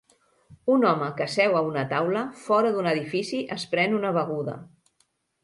Un home que seu a una taula fora d'un edifici es pren una beguda